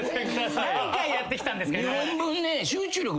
何回やってきたんですか。